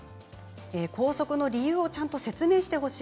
校則の理由をちゃんと説明してほしい。